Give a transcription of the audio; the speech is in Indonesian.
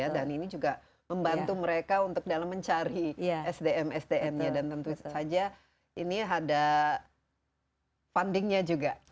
dan ini juga membantu mereka untuk dalam mencari sdm sdm nya dan tentu saja ini ada fundingnya juga